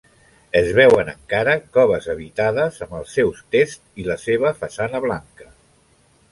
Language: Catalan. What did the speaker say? Es veuen encara coves habitades amb els seus tests i la seva façana blanca.